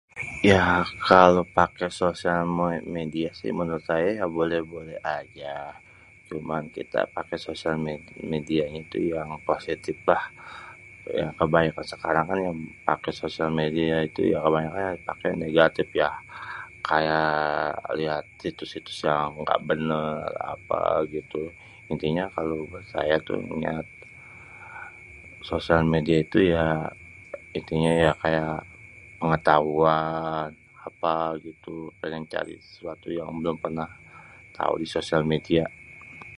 yaa kalau pake social media si menurut saya, ya boleh-boleh aja. cuman, kita pake social media itu yang positif lah. kebanyakan yang sekarang pake social media itu kebanyakan dipake negatif ya, kaya liat situs-situs yang gak bener apa gitu. intinya kalau saya tuh ngeliat social media tuh ya kaya pengetahuan apa gitu pengen cari sesuatu yang belum pernah tau di social media.